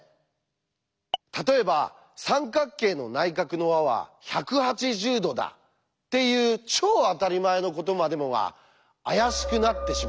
例えば「三角形の内角の和は１８０°だ」っていう超当たり前のことまでもがあやしくなってしまった。